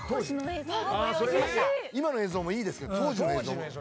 今の映像もいいですけど当時の映像も見たい。